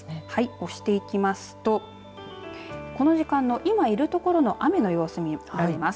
押していきますとこの時間の今いる所の雨の予想を見られます。